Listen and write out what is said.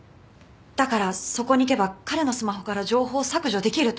だからそこに行けば彼のスマホから情報を削除できると思った。